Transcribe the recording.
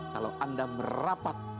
kalau anda merapat